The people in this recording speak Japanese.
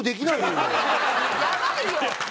やばいよ！